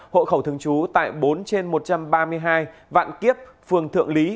hộ khẩu thường trú tại bốn trên một trăm ba mươi hai vạn kiếp phường thượng lý